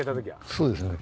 そうですね。